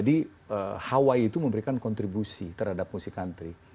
dan hawaii itu memberikan kontribusi terhadap musik country